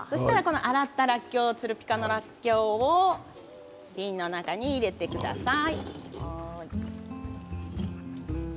洗ったツルピカのらっきょうを瓶の中に入れてください。